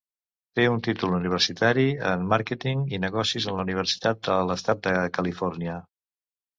Té un títol universitari en Màrqueting i Negocis de la Universitat de l'Estat de Califòrnia.